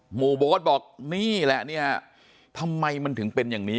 โบ๊ทบอกนี่แหละเนี่ยทำไมมันถึงเป็นอย่างนี้